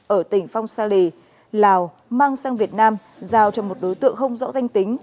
ở tỉnh phong sa lì lào mang sang việt nam giao cho một đối tượng không rõ danh tính